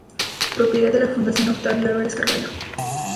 Propiedad de la Fundación Octavio Álvarez Carballo.